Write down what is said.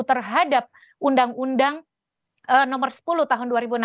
terhadap undang undang nomor sepuluh tahun dua ribu enam belas